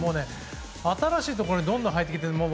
新しいところにどんどん入ってきていて。